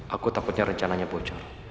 aku takutnya rencananya bocor